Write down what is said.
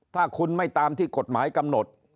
ถ้าคุณไม่ตามที่กฎหมายกำหนด